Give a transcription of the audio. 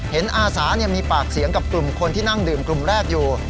อาสามีปากเสียงกับกลุ่มคนที่นั่งดื่มกลุ่มแรกอยู่